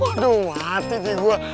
aduh mati dia gue